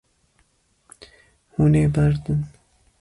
Hûn ê berdin.